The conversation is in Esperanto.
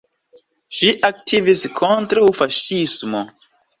Ŝi aktivis kontraŭ faŝismo.